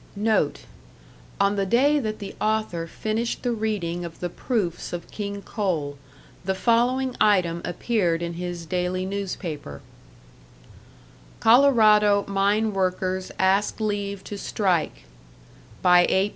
NOTE: On the day that the author finished the reading of the proofs of "King Coal," the following item appeared in his daily newspaper: COLORADO MINE WORKERS ASK LEAVE TO STRIKE [BY A.